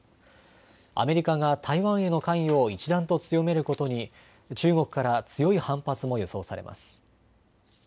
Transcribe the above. アメリカが台湾への関与を一段と強めることに中国から強い反発も予想されます。